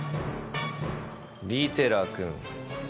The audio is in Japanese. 利寺君。